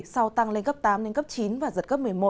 sau tăng lên cấp tám đến cấp chín và giật cấp một mươi một